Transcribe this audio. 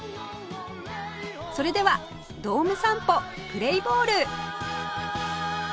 それではドーム散歩プレーボール！